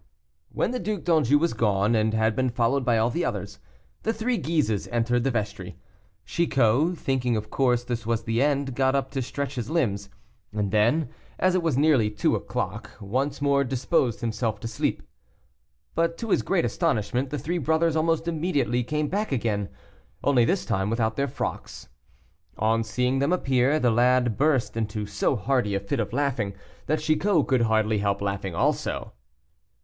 When the Duc d'Anjou was gone, and had been followed by all the others, the three Guises entered the vestry. Chicot, thinking of course this was the end, got up to stretch his limbs, and then, as it was nearly two o'clock, once more disposed himself to sleep. But to his great astonishment, the three brothers almost immediately came back again, only this time without their frocks. On seeing them appear, the lad burst into so hearty a fit of laughing, that Chicot could hardly help laughing also.